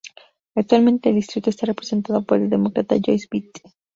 Actualmente el distrito está representado por el Demócrata Joyce Beatty.